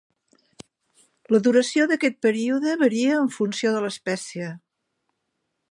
La duració d'aquest període varia en funció de l'espècie.